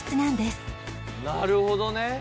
なるほどね。